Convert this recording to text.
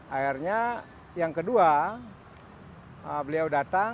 akhirnya yang kedua beliau datang